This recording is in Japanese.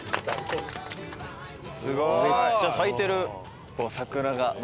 めっちゃ咲いてる。